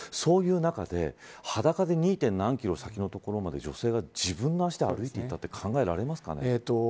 そういう中で裸で２キロほど先の所まで女性が自分の足で歩いて行ったと考えられますかね。